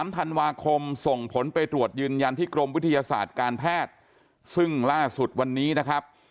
ธันวาคมส่งผลไปตรวจยืนยันที่กรมวิทยาศาสตร์การแพทย์ซึ่งล่าสุดวันนี้นะครับ